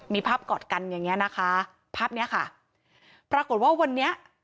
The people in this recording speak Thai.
มีภาพกอดกันอย่างเงี้ยนะคะภาพเนี้ยค่ะปรากฏว่าวันนี้